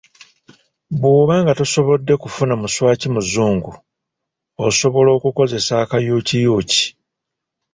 Bw'oba nga tosobodde kufuna muswaki muzungu, osobola okukozesa akayukiyuuki.